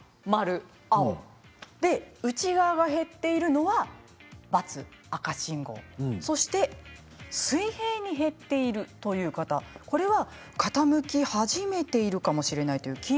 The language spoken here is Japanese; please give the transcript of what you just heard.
外側が減っているのは丸内側が減っているのはバツ、赤信号そして水平に減っているという方傾き始めているかもしれないということ。